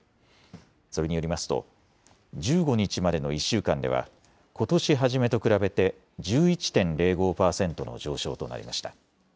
それによりますと１５日までの１週間ではことし初めと比べて１１．０５％の上昇となりました。